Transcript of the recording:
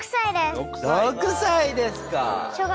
６歳ですか。